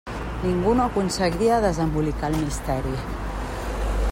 Ningú no aconseguia desembolicar el misteri.